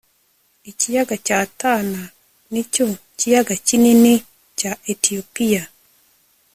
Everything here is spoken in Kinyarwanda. ikiyaga cya tana nicyo kiyaga kinini cya etiyopiya